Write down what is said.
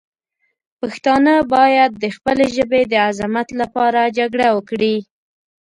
پښتانه باید د خپلې ژبې د عظمت لپاره جګړه وکړي.